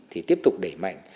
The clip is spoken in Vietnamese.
thì tiếp tục để mạnh